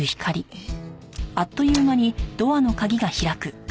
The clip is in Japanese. えっ！？